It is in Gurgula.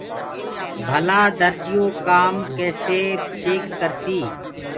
ڀلآ درجيو ڪآم ڪيسي چيڪ ڪرسي